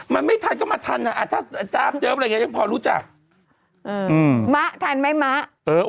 มันไม่ทันก็มาทันน่ะอาจารย์เจออะไรอย่างนี้